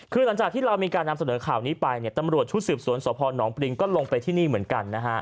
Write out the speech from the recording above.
คือหลังจากที่เรามีการนำเสนอข่าวนี้ไปเนี่ยตำรวจชุดสืบสวนสพนปริงก็ลงไปที่นี่เหมือนกันนะฮะ